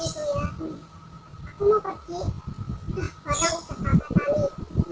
itu udah udah bayang kejadian yang udah bayang kebuahannya itu ya